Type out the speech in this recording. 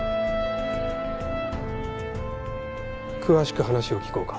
詳しく話を聞こうか。